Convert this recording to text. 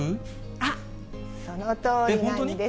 あっ、そのとおりなんです。